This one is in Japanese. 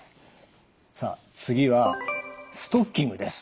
さあ次はストッキングです。